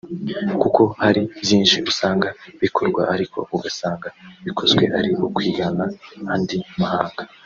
kuko hari byinshi usanga bikorwa ariko ugasanga bikozwe ari ukwigana andi mahanga